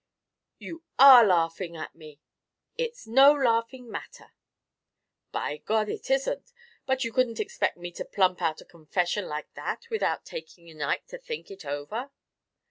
"You are laughing at me. It's no laughing matter!" "By God, it isn't. But you couldn't expect me to plump out a confession like that without taking a night to think it over."